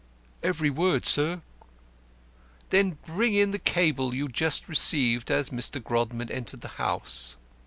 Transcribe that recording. "Every word, sir." "Then bring in the cable you received just as Mr. Grodman entered the house."